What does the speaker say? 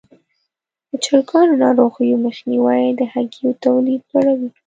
د چرګانو ناروغیو مخنیوی د هګیو تولید لوړوي.